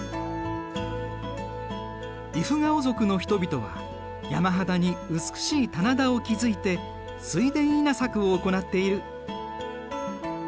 イフガオ族の人々は山肌に美しい棚田を築いて水田稲作を行っている。